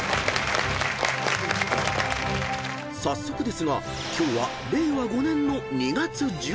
［早速ですが今日は令和５年の２月１８日］